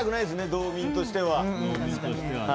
道民としては。